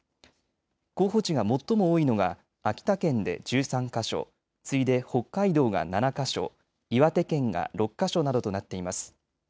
候補地が最も多いのが秋田県で１３か所、次いで北海道が７か所、岩手県が６か所などとなっています。